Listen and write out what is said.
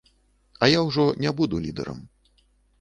А я ўжо не буду лідэрам.